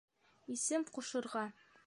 — Исем ҡушырға?